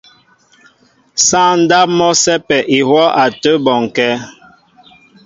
Sááŋ ndáp mɔ́ a sɛ́pɛ ihwɔ́ a tə́ bɔnkɛ́.